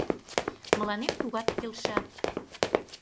Мыланем тугат келша.